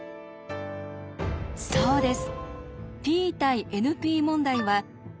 そうです。